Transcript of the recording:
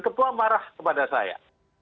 ketua marah kepada saya